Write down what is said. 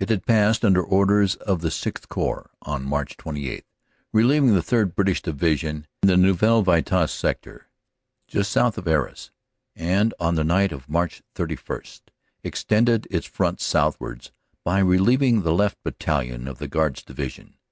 It had passed under orders of the VI Corps on March 28, relieving the 3rd. British Division in the Neuville Vitasse Sector just south of Arras, and on the night of March 31 extended its front south wards by relieving the left battalion of the Guards Divi sion.